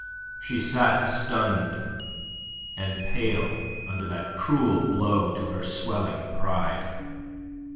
She sat stunned and pale under that cruel blow to her swelling pride.